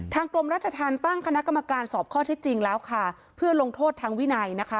กรมราชธรรมตั้งคณะกรรมการสอบข้อเท็จจริงแล้วค่ะเพื่อลงโทษทางวินัยนะคะ